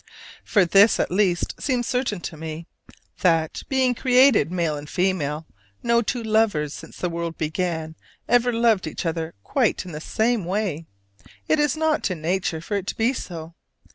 For this at least seems certain to me, that, being created male and female, no two lovers since the world began ever loved each other quite in the same way: it is not in nature for it to be so.